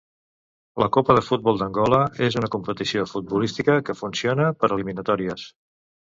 La copa de futbol d'Angola és una competició futbolística que funciona per eliminatòries.